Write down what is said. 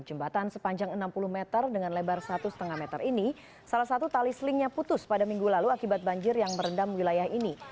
jembatan sepanjang enam puluh meter dengan lebar satu lima meter ini salah satu tali selingnya putus pada minggu lalu akibat banjir yang merendam wilayah ini